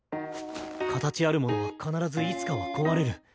形あるものは必ずいつかは壊れる。